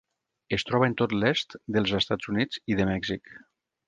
Es troba en tot l'est dels Estats Units i de Mèxic.